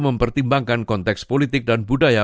mempertimbangkan konteks politik dan budaya